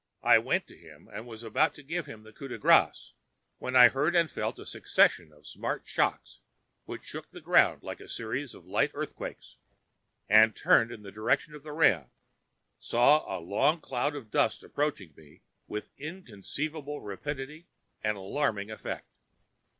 I went to him and was about to give him the coup de grace, when I heard and felt a succession of smart shocks which shook the ground like a series of light earthquakes, and turning in the direction of the ram, saw a long cloud of dust approaching me with inconceivable rapidity and alarming effect!